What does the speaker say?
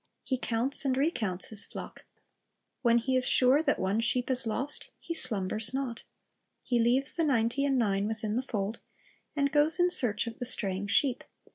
He counts and recounts the flock. When he is sure that one sheep is lost, he slumbers not. He leaves the ninety and nine within the fold, and goes in search of the straying sheep.